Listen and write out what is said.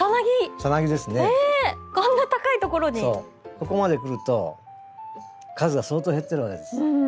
ここまで来ると数が相当減ってるわけです。